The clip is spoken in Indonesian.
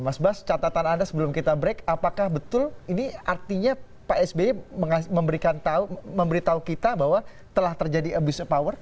mas bas catatan anda sebelum kita break apakah betul ini artinya pak sby memberitahu kita bahwa telah terjadi abuse of power